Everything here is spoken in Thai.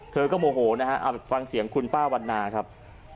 เธอก็โมโหนะฮะเอาฟังเสียงคุณป้าวันนาครับ